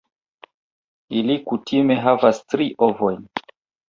Ili kutime havas tri ovojn.